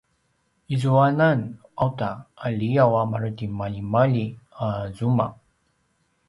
izuanan auta a liyaw a maretimaljimalji a zuma